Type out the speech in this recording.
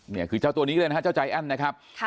นี่คือเจ้าตัวนี้เลยนะฮะเจ้าใจแอ้นนะครับ